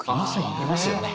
いますよね。